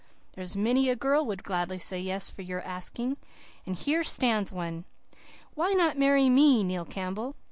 There's many a girl would gladly say 'yes' for your asking. And here stands one! Why not marry ME, Neil Campbell?